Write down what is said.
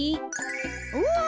うわ！